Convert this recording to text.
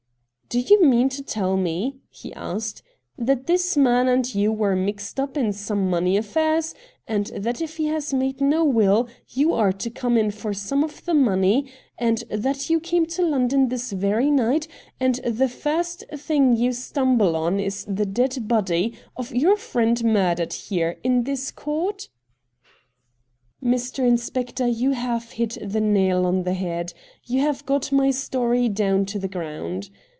' Do you mean to tell me,' he asked, ' that this man and you were mixed up in some money affairs — and that if he has made no will you are to come in for some of the money — and that you came to London this very night, and the first thing you stumble on is the dead body of your friend murdered here in this court ?'' Mr. Inspector, you have hit the nail on the head ! You have got my story down to the ground.